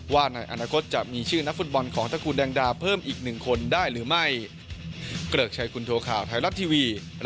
ว่าในอนาคตจะมีชื่อนักฟุตบอลของตระกูลแดงดาเพิ่มอีก๑คนได้หรือไม่